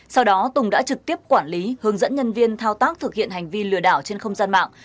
sau đó tùng đã trực tiếp quản lý hướng dẫn nhân viên thao tác thực hiện hành vi lừa đảo trên không gian mạng